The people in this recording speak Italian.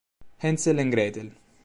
Hansel and Gretel